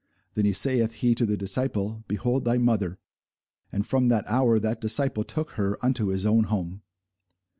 Then saith he to the disciple, Behold thy mother! And from that hour that disciple took her unto his own home.